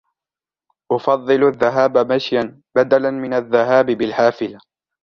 أفضل الذهاب مشيا بدلا من الذهاب بالحافلة.